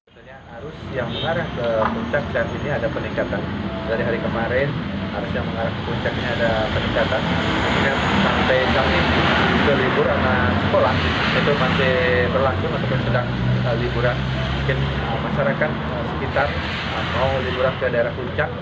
kami memasarkan sekitar mau liburan ke daerah puncak